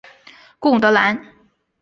贡德兰。